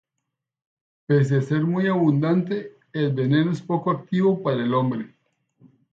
Pese a ser muy abundante, el veneno es poco activo para el hombre.